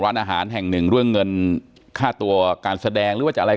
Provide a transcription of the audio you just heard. ร้านอาหารแห่งหนึ่งเรื่องเงินค่าตัวการแสดงหรือว่าจะอะไร